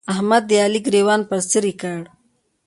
احمد د علي ګرېوان پر څيرې کړ.